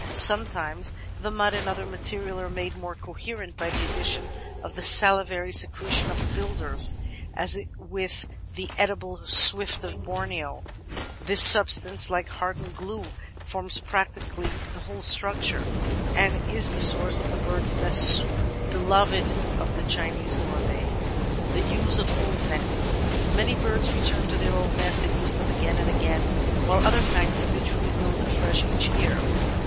Sometimes the mud and other materials are made more coherent by the addition of the salivary secretion of the builders, and with the Edible Swift of Borneo this sub stance, like hardened glue, forms practically the whole structure and is the source of the "bird's nest soup" beloved of the Chinese gourmet. The Use of Old Nests Many birds return to their old nests and use them again and again, while other kinds habitually build afresh each year.